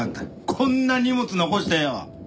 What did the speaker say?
こんな荷物残してよ！